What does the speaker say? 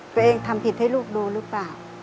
ตัวเองทำผิดให้ลูกดูหรือเปล่า